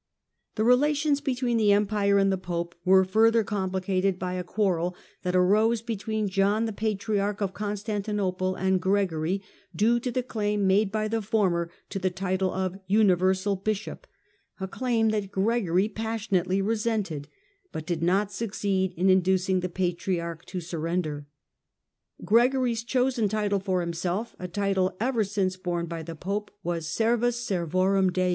The relations between the Empire and the Pope were further com plicated by a quarrel that arose between John the Patriarch of Constantinople and Gregory, due to the claim made by the former to the title of "universal bishop "— a claim that Gregory passionately resented, but did not succeed in inducing the Patriarch to sur render. Gregory's chosen title for himself — a title ever since borne by the Popes — was " servus servorum Dei